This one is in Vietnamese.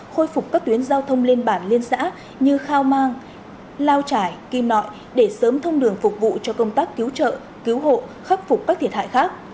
khôi phục các tuyến giao thông lên bản liên xã như khao mang lao trải kim nội để sớm thông đường phục vụ cho công tác cứu trợ cứu hộ khắc phục các thiệt hại khác